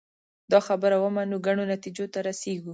دا خبره ومنو ګڼو نتیجو ته رسېږو